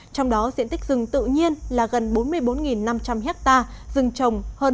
trong đó diện tích rừng tự nhiên là gần bốn mươi bốn năm trăm linh hectare rừng trồng hơn một mươi chín hectare